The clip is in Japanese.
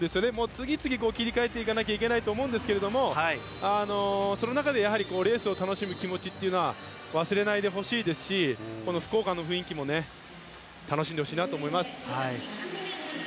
次々、切り替えていかないといけないと思うんですけどその中で、レースを楽しむ気持ちというのは忘れないでほしいですし福岡の雰囲気も楽しんでほしいなと思います。